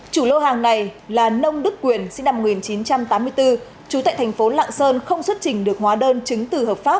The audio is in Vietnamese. chủ lô hàng này là nông đức quyền sinh năm một nghìn chín trăm tám mươi bốn trú tại thành phố lạng sơn không xuất trình được hóa đơn chứng từ hợp pháp